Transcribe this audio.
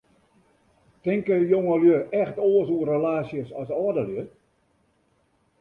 Tinke jongelju echt oars oer relaasjes as âldelju?